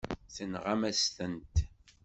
Tenɣam-as-tent.